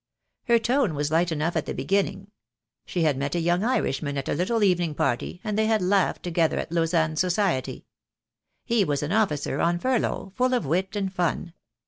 Her tone was light enough at the be ginning. She had met a young Irishman at a little evening party, and they had laughed together at Lausanne society. He was an officer, on furlough, full of wit and fun.